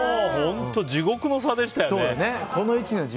本当、地獄の差でしたよね。